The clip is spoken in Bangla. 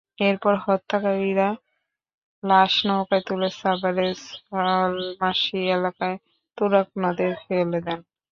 এরপর হত্যাকারীরা লাশ নৌকায় তুলে সাভারের সলমাশি এলাকায় তুরাগ নদে ফেলে দেন।